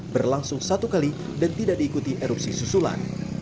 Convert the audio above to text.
berlangsung satu kali dan tidak diikuti erupsi susulan